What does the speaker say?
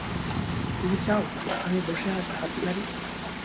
তুমি চাও আমি বসে হাত নাড়ি?